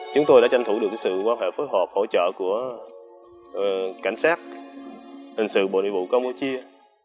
chúng tôi đã tranh thủ được sự quan hệ phối hợp hỗ trợ của cảnh sát hình sự bộ nội vụ campuchia